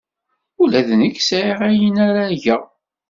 Ula d nekk sɛiɣ ayen ara geɣ.